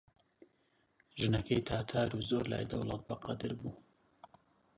ژنەکەی تاتار و زۆر لای دەوڵەت بەقەدر بوو